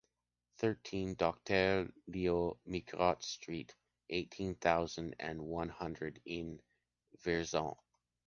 Thirteen Docteur Léo Mérigot street, eighteen thousand and one hundred in Vierzon.